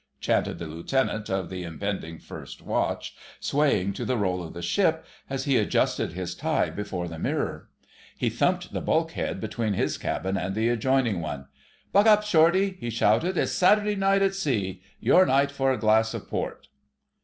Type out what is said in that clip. chanted the Lieutenant of the impending first watch, swaying to the roll of the ship as he adjusted his tie before the mirror. He thumped the bulkhead between his cabin and the adjoining one. "Buck up, Shortie!" he shouted; "it's Saturday Night at Sea! Your night for a glass of port."